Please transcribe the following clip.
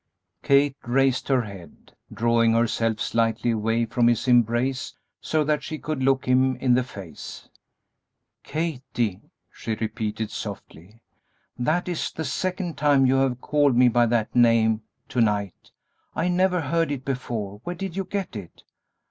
Kate raised her head, drawing herself slightly away from his embrace so that she could look him in the face. "'Kathie!'" she repeated, softly; "that is the second time you have called me by that name to night. I never heard it before; where did you get it?"